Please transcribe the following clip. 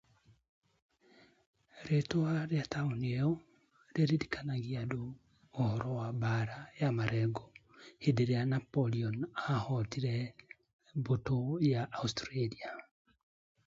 The city's name commemorates the Battle of Marengo, where Napoleon defeated the Austrian army.